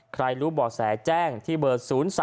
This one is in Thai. ใครรู้ไหมบอกแสนแจ้งที่เบอร์๓๔๘๗๑๕๗๘